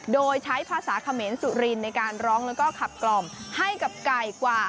โดยใช้ภาษาเขมรสุรินในการร้องแล้วก็ขับกล่อมให้กับไก่กว่า